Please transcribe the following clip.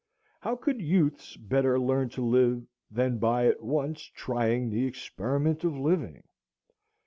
How could youths better learn to live than by at once trying the experiment of living?